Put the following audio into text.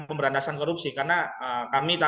pemberantasan korupsi karena kami